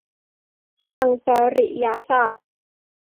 ทางจริยศาสตร์